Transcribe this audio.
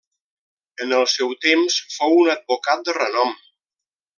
En el seu temps fou un advocat de renom.